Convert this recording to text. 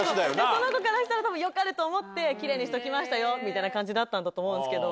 その子からしたら多分良かれと思ってキレイにしときましたよみたいな感じだったんだと思うんですけど。